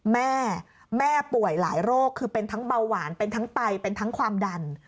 แม่แม่ป่วยหลายโรคคือเป็นทั้งเบาหวานเป็นทั้งไตเป็นทั้งความดัน